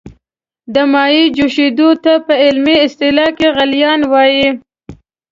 د مایع جوشیدو ته په علمي اصطلاح کې غلیان وايي.